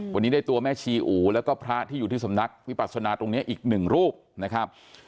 วันนี้ได้ตัวแม่ชีอูแล้วก็พระที่อยู่ที่สำนักวิปัสนาตรงนี้อีกหนึ่งรูปนะครับ